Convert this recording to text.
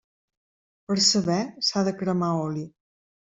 Per saber, s'ha de cremar oli.